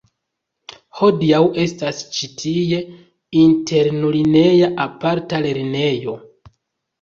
Hodiaŭ estas ĉi tie internulineja aparta lernejo.